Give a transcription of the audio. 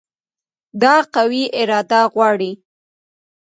دا قوي اراده غواړي.